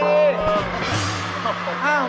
โอ้โฮ